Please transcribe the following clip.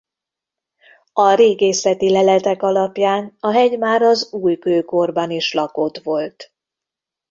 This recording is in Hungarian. A régészeti leletek alapján a hegy már az újkőkorban is lakott volt.